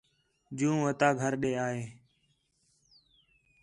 جوں وتہ گھر ݙے آ ہے